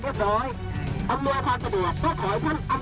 ตอนนี้ภาพเขาออกไม่ได้ก็ทุกอย่างแล้ว